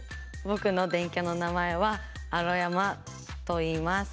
ぼくの電キャの名前は「アロヤマ」といいます。